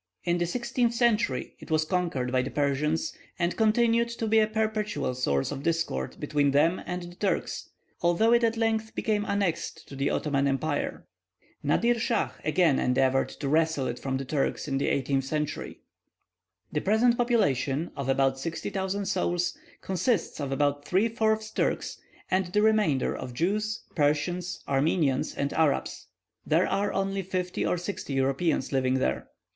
In the sixteenth century it was conquered by the Persians, and continued to be a perpetual source of discord between them and the Turks, although it at length became annexed to the Ottoman Empire. Nadir Schah again endeavoured to wrest it from the Turks in the eighteenth century. The present population, of about 60,000 souls, consists of about three fourths Turks, and the remainder of Jews, Persians, Armenians, and Arabs. There are only fifty or sixty Europeans living there.